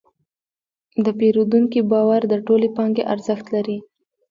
د پیرودونکي باور د ټولې پانګې ارزښت لري.